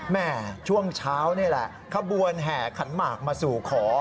แม่ช่วงเช้านี่แหละขบวนแห่ขันหมากมาสู่ขอ